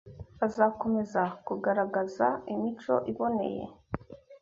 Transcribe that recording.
bazakomeza kugaragaza imico iboneye